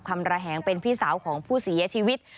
คำระแหงเป็นพี่สาวของผู้สีเอาชีวิต